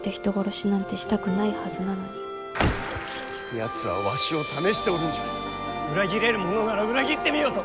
やつはわしを試しておるんじゃ裏切れるものなら裏切ってみよと！